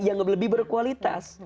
yang lebih berkualitas